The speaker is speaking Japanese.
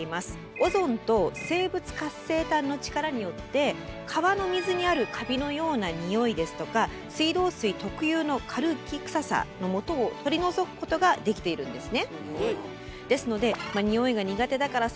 オゾンと生物活性炭の力によって川の水にあるカビのようなにおいですとか水道水特有のカルキ臭さのもとを取り除くことができているんですね。